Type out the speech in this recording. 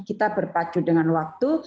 kita berpacu dengan waktu